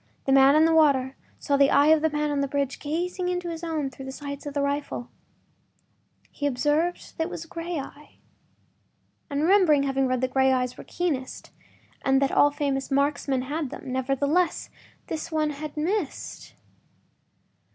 The man in the water saw the eye of the man on the bridge gazing into his own through the sights of the rifle. He observed that it was a gray eye and remembered having read that gray eyes were keenest, and that all famous marksmen had them. Nevertheless, this one had missed.